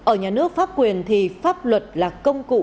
ở nhà nước pháp quyền thì pháp luật là công cụ